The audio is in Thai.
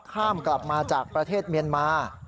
กลับมาจากประเทศเมียนมา